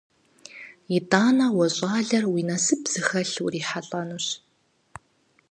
ИтӀанэ уэ щӀалэр уи насып зыхэлъ урихьэлӀэнущ.